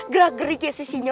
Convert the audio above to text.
gerak geriknya si sinyo